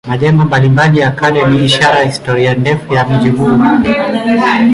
Majengo mbalimbali ya kale ni ishara ya historia ndefu ya mji huu.